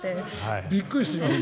びっくりしますよ。